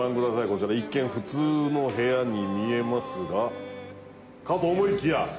こちら一見普通の部屋に見えますがかと思いきや。